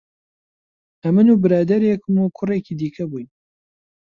ئەمن و برادەرێکم و کوڕێکی دیکە بووین